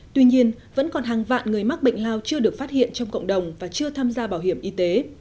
tuy nhiên vẫn còn hàng vạn người mắc bệnh lao chưa được phát hiện trong cộng đồng và chưa tham gia bảo hiểm y tế